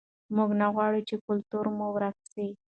موږ نه غواړو چې کلتور مو ورک سي.